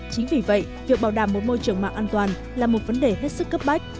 chính vì vậy việc bảo đảm một môi trường mạng an toàn là một vấn đề hết sức cấp bách